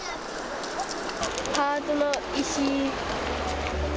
ハートの石。